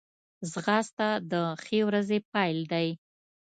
ځغاسته د ښې ورځې پیل دی